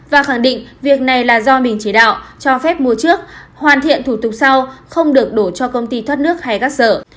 và khẳng định việc này là do mình chỉ đạo cho phép mua trước hoàn thiện thủ tục sau không được đổ cho công ty thoát nước hay các sở